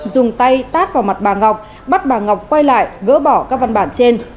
dùng tay tát vào mặt bà ngọc bắt bà ngọc quay lại gỡ bỏ các văn bản trên